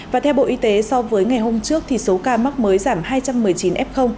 và theo bộ y tế so với ngày hôm trước thì số ca mắc mới giảm hai trăm một mươi chín f